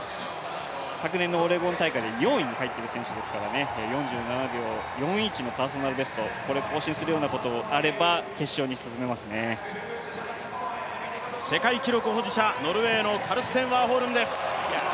昨年のオレゴン大会で４位に入ってる選手ですから４７秒４１のパーソナルベストを更新するようなことがあれば、世界記録保持者、ノルウェーのカルステン・ワーホルムです。